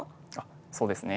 そうですね。